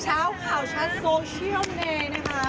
เช้าข่าวชัดโซเชียลเมย์นะคะ